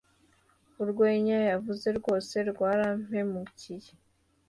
Urwenya yavuze rwose rwarampemukiye!